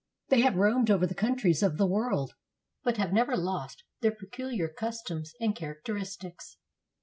They have roamed over the countries of the world, but have never lost their peculiar customs and characteris tics.